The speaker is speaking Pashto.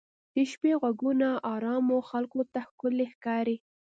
د شپې ږغونه ارامو خلکو ته ښکلي ښکاري.